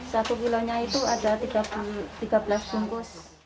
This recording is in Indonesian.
satu kilonya itu ada tiga belas bungkus